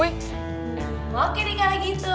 wah kayak gini kalau gitu